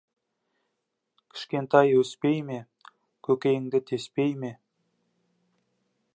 Кішкентай өспей ме, көкейіңді теспей ме!